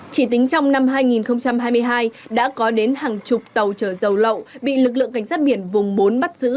chỉ tính trong năm hai nghìn hai mươi hai đã có đến hàng chục tàu chở dầu lậu bị lực lượng cảnh sát biển vùng bốn bắt giữ